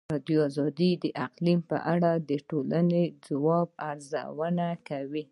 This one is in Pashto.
ازادي راډیو د اقلیم په اړه د ټولنې د ځواب ارزونه کړې.